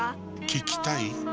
聞きたい？